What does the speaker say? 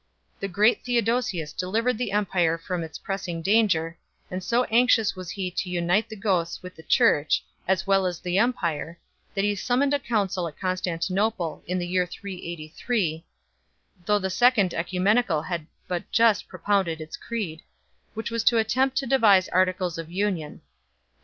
The great Theodosius delivered the empire from its pressing danger; and so anxious was he to unite the Goths with the Church as well as the empire, that he summoned a council at Constantinople in the year 383 though the Second (Ecumenical had but just propounded its Creed which was to attempt to devise articles of union 3 .